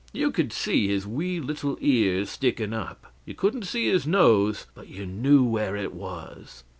You could see his wee little ears sticking up. You couldn't see his nose, but you knew where it was.